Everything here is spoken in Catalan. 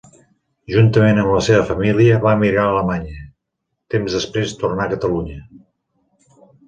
Juntament amb la seva família, va emigrar a Alemanya; temps després tornà a Catalunya.